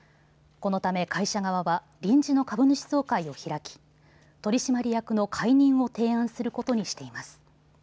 このため会社側は臨時の株主総会を開き取締役の解任を提案することにしています。